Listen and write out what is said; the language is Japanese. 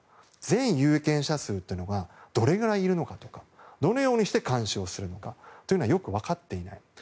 全有権者数というのがどれぐらいいるのかとかどのようにして監視をするのかというのがよく分かっていない。